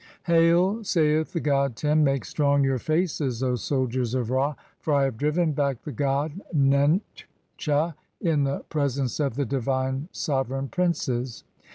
"'Hail', saith the god Tem, 'Make strong your faces, O soldiers 'of Ra, for I have driven back the god (16 s ) Nentcha in the pre sence of the divine sovereign princes.'